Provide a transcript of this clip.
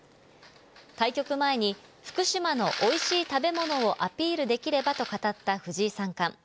対局前に、福島のおいしい食べ物をアピールできればと語った藤井三冠。